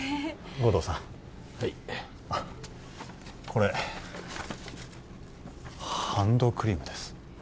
護道さんはいこれハンドクリームです